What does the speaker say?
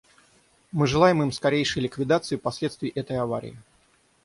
Мы желаем им скорейшей ликвидации последствий этой аварии.